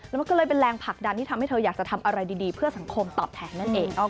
แล้วมันก็เลยเป็นแรงผลักดันที่ทำให้เธออยากจะทำอะไรดีเพื่อสังคมตอบแทนนั่นเอง